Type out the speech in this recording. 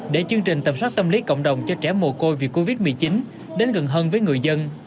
để chương trình tầm soát tâm lý cộng đồng cho trẻ mồ côi vì covid một mươi chín đến gần hơn với người dân